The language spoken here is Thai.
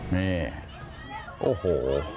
นี่โอ้โห